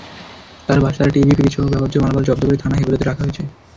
তাঁর বাসার টিভি, ফ্রিজসহ ব্যবহার্য মালামাল জব্দ করে থানা হেফাজতে রাখা হয়েছে।